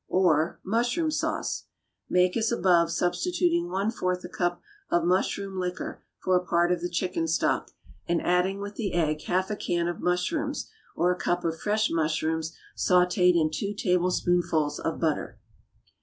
Or, =MUSHROOM SAUCE.= Make as above, substituting one fourth a cup of mushroom liquor for a part of the chicken stock, and adding with the egg half a can of mushrooms, or a cup of fresh mushrooms sautéd in two tablespoonfuls of butter.